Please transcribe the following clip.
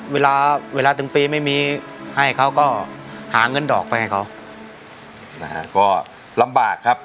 เวลาเวลาถึงปีไม่มีให้เขาก็หาเงินดอกไปให้เขาก็ลำบากครับ